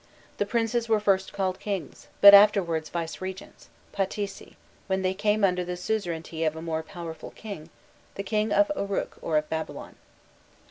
The princes were first called kings, but afterwards vicegerents patesi when they came under the suzerainty of a more powerful king, the King of Uruk or of Babylon.